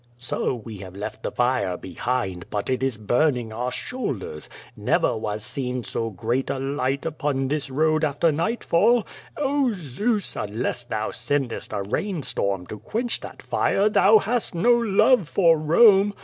"So we have left the fire behind, but it is burning our shoul ders. Never was seen so great a light upon this road after nightfall. Oh, Zeus, unless thou sendest a rainstorm to quench that fire thou hast no love for Rome!